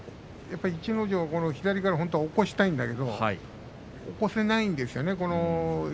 やっぱり逸ノ城は左から起こしたいんだけれども起こせないんですよね。